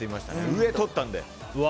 上、取ったんで。